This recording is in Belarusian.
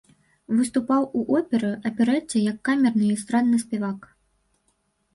Выступаў у оперы, аперэце, як камерны і эстрадны спявак.